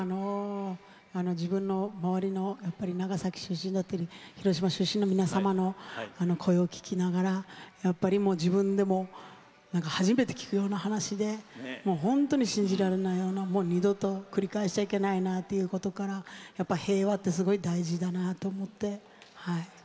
自分の周りの長崎出身だったり広島出身の皆様の声を聞きながらやっぱり自分でも初めて聞くような話で本当に信じられないような二度と繰り返しちゃいけないなっていうことから平和って、すごい大事だなと思って。